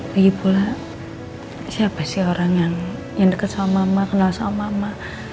pergi pula siapa sih orang yang dekat sama mama kenal sama mama